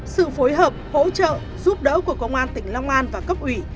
sự phối hợp hỗ trợ giúp đỡ của công an tỉnh long an và cấp ủy